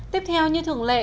tiếp theo như thường lệ